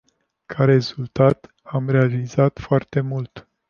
Ca rezultat, am realizat foarte mult.